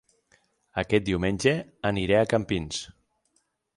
Aquest diumenge aniré a Campins